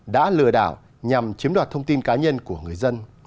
đã lừa đảo nhằm chiếm đoạt thông tin cá nhân của người dân